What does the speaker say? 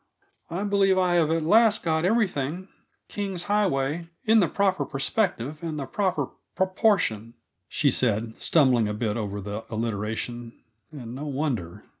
I believe I have at last got everything King's Highway in the proper perspective and the proper proportion," she said, stumbling a bit over the alliteration and no wonder.